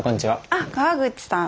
あっ河口さん。